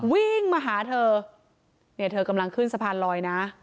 วิ่งมาหาเธอเนี่ยเธอกำลังขึ้นสะพานลอยนะ